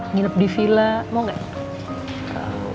nginep di vila mau gak